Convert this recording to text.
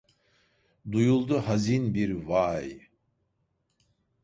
Duyuldu hazin bir “vay”…